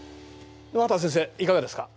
沼畑先生いかがですか？